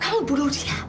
kamu bunuh dia